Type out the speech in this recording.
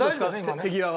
手際は。